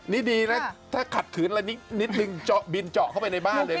นี่ดีนะถ้าขัดขืนละนิดนึงเจาะบินเจาะเข้าไปในบ้านเลยนะ